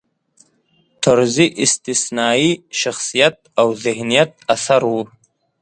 طرزی استثنايي شخصیت او ذهینت اثر و.